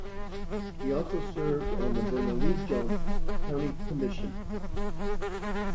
He also served on the Bernalillo County Commission.